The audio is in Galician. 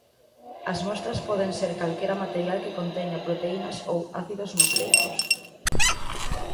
As mostras poden ser calquera material que conteña proteínas ou ácidos nucleicos.